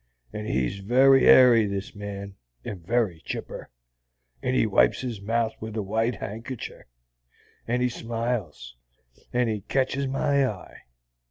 And he's very airy, this Man, and very chipper, and he wipes his mouth with a white hankercher, and he smiles, and he ketches my eye.